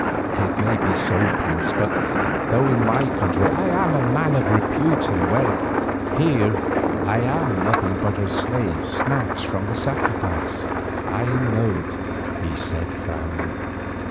"It may be so, prince, but though in my own country I am a man of repute and wealth, here I am nothing but a slave snatched from the sacrifice." "I know it," he said frowning.